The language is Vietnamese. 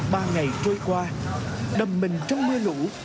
ba ngày trôi qua đầm mình trong mưa lũ